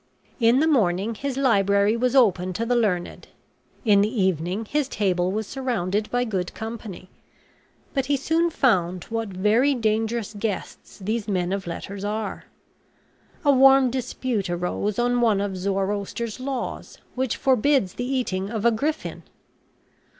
In the morning his library was open to the learned. In the evening his table was surrounded by good company. But he soon found what very dangerous guests these men of letters are. A warm dispute arose on one of Zoroaster's laws, which forbids the eating of a griffin.